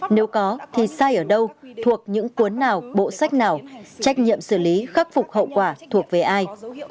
nếu có thì sai ở đâu thuộc những cuốn nào bộ sách nào trách nhiệm xử lý khắc phục hậu quả thuộc về ai